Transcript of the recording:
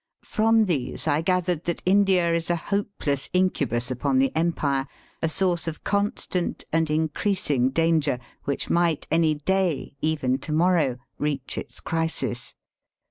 From these I gathered that India is a hopeless incubus upon the Empire, a source of constant and increasing danger, which might any day, even to morrow, reach its crisis.